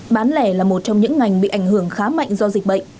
bán lẻ là một trong những ngành bị ảnh hưởng khá mạnh do dịch bệnh